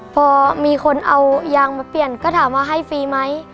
พอมีคนเอายางมาเปลี่ยนก็ถามว่าให้ฟรีไหม